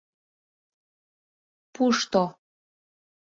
Пушто...